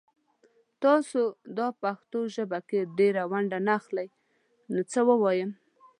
تاسو دا پښتو په ژباړه کې ډيره ونډه نه اخلئ نو څه ووايم